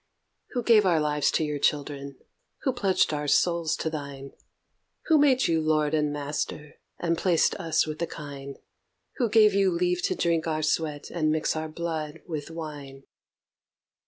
Who gave our lives to your children? Who pledged our souls to thine? Who made you Lord and Master and placed us with the kine? Who gave you leave to drink our sweat and mix our blood with wine?